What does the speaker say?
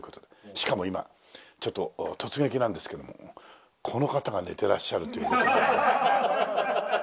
しかも今ちょっと突撃なんですけどもこの方が寝てらっしゃるという事で。